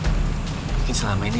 mungkin selama ini